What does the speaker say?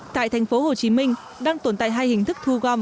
tại thành phố hồ chí minh đang tồn tại hai hình thức thu gom